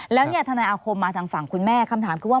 แล้วเนี่ยทนายอาคมมาทางฝั่งคุณแม่คำถามคือว่า